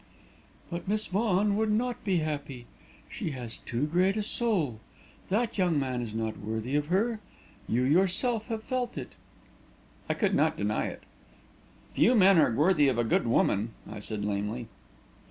"But Miss Vaughan would not be happy. She has too great a soul; that young man is not worthy of her. You yourself have felt it!" I could not deny it. "Few men are worthy of a good woman," I said lamely.